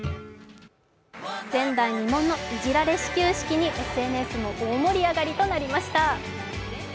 前代未聞のイジられ始球式にＳＮＳも大盛り上がりとなりました。